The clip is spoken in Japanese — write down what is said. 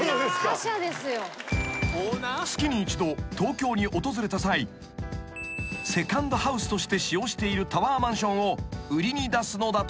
［月に一度東京に訪れた際セカンドハウスとして使用しているタワーマンションを売りに出すのだという］